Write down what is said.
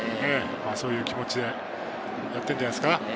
そういう気持ちでやっているんじゃないですか？